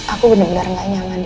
aku benar benar gak nyaman